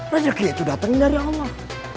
rezeki itu datang dari allah